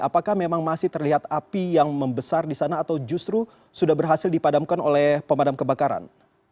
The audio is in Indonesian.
apakah memang masih terlihat api yang membesar di sana atau justru sudah berhasil dipadamkan oleh pemadam kebakaran